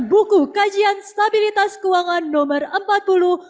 memperkuat stabilitas sistem keuangan menuju indonesia maju